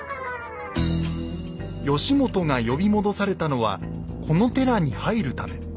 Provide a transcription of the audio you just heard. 義元が呼び戻されたのはこの寺に入るため。